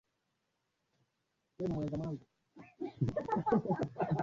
ka ulemavu msikilizaji haiwezi kuwa kikwazo cha mtu kuchangua ama kuchaguliwa